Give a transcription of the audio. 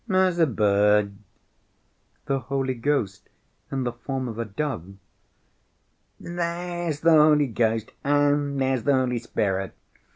"As a bird." "The Holy Ghost in the form of a dove?" "There's the Holy Ghost and there's the Holy Spirit.